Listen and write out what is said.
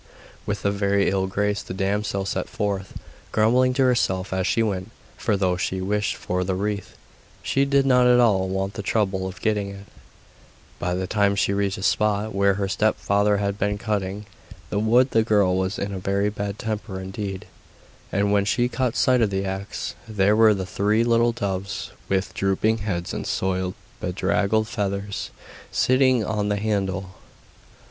With a very ill grace the damsel set forth, grumbling to herself as she went; for though she wished for the wreath, she did not at all want the trouble of getting it. By the time she reached the spot where her stepfather had been cutting the wood the girl was in a very bad temper indeed, and when she caught sight of the axe, there were the three little doves, with drooping heads and soiled, bedraggled feathers, sitting on the handle.